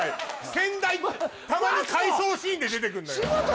先代たまに回想シーンで出てくんのよマツコ！